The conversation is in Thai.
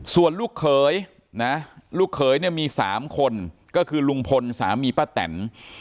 ส่วนลูกเขยนะลูกเขยเนี่ยมี๓คนก็คือลุงพลสามีป้าแตน